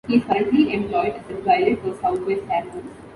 He is currently employed as a pilot for Southwest Airlines.